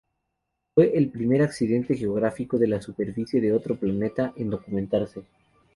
Fue el primer accidente geográfico de la superficie de otro planeta en documentarse.